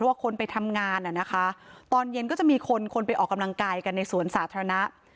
ว่าคนไปทำงานอ่ะนะคะตอนเย็นก็จะมีคนคนไปออกกำลังกายกันในสวนสาธารณะ